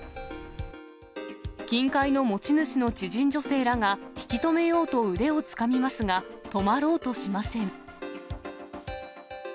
金塊の持ち主の知人女性らが、引きとめようと腕をつかみますが、止まろうとしません。